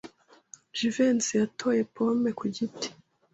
Jivency yatoye pome ku giti.